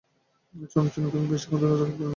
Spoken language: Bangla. একটি চরণচিহ্নও তো আমি বেশিক্ষণ ধরিয়া রাখিতে পারি না।